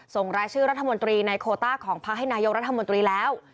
รายชื่อรัฐมนตรีในโคต้าของพักให้นายกรัฐมนตรีแล้ว